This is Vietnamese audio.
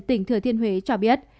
tỉnh thừa thiên huế cho biết